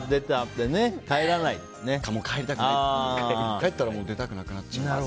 帰ったら出たくなくなっちゃう。